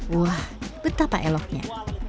wah betapa eloknya